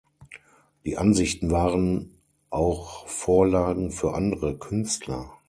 Die Ansichten waren auch Vorlagen für andere Künstler.